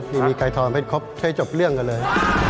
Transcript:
ไม่มีใครทอนให้ครบใช้จบเรื่องกันเลย